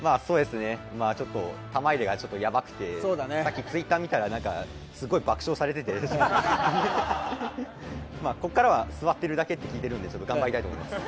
ちょっと玉入れがヤバくて、さっきＴｗｉｔｔｅｒ見たらすごい爆笑されてて、ここからは座っているだけって聞いてるので頑張りたいと思います。